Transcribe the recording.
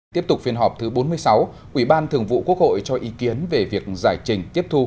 tiếp tục phiên họp thứ bốn mươi sáu ủy ban thường vụ quốc hội cho ý kiến về việc giải trình tiếp thu